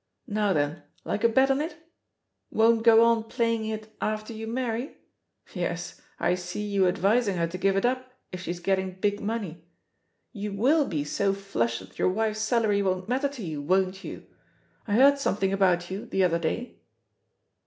Now then, like a bet on it? * Won't go on playing it after you marry' ? Yes, I see you advising her to give it up if she's get ting big money I You will be so flush that your wife's salary won't matter to you, wonH you? I heard something about you the other day."